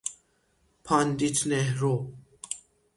پاندیت نهرو